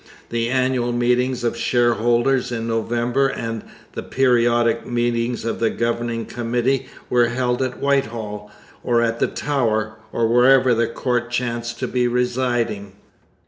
The annual meetings of shareholders in November and the periodic meetings of the Governing Committee were held at Whitehall, or at the Tower, or wherever the court chanced to be residing.